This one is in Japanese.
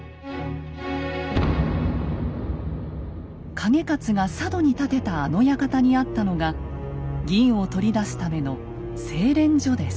景勝が佐渡に建てたあの館にあったのが銀を取り出すための精錬所です。